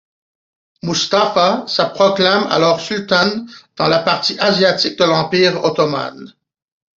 Mustapha se proclame alors sultan dans la partie asiatique de l'Empire ottoman.